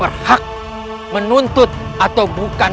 apakah setengah badan